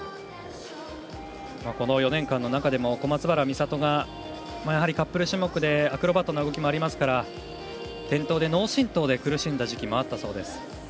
この４年間の中でも小松原美里がやはりカップル種目でアクロバットな動きもあるので転倒で、脳震とうで苦しんだ時期もあったそうです。